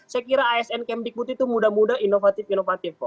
saya kira asn kemdikbud itu muda muda inovatif inovatif kok